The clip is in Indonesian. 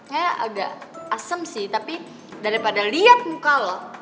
kayak agak asem sih tapi daripada liat muka lo